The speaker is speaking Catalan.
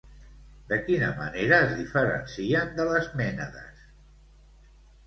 De quina manera es diferencien de les mènades?